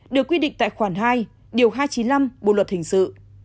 được quy định tại khoản hai điều hai trăm chín mươi năm bộ luật hình sự